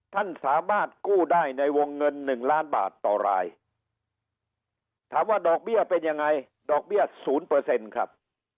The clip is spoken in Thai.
ท่านสามารถกู้ได้ในวงเงิน๑ล้านบาทต่อรายถามว่าดอกเบี้ยเป็นยังไงดอกเบี้ย๐ครับ